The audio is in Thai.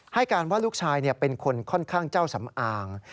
ให้การว่าลูกชายเป็นคนค่อนข้างเจ้าสำอาง